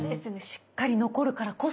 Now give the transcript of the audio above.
しっかり残るからこそ。